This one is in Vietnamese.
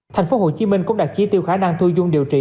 tp hcm cũng đặt chi tiêu khả năng thu dung điều trị